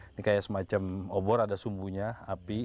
ini kayak semacam obor ada sumbunya api